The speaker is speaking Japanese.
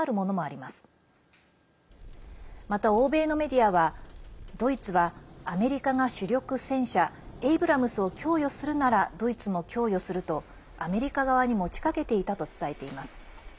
また、欧米のメディアはドイツは、アメリカが主力戦車エイブラムスを供与するならドイツも供与するとアメリカ側に持ちかけていたと伝えています。